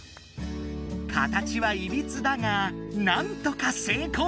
形はいびつだがなんとか成功！